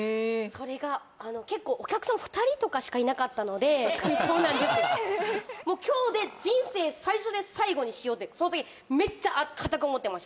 それが結構お客さん２人とかしかいなかったのでそうなんですにしようってその時めっちゃかたく思ってました